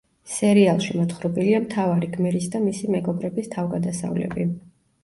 სერიალში მოთხრობილია მთავარი გმირის და მისი მეგობრების თავგადასავლები.